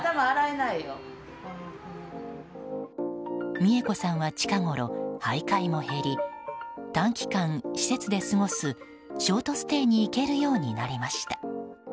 三恵子さんは近ごろ徘徊も減り短期間、施設で過ごすショートステイに行けるようになりました。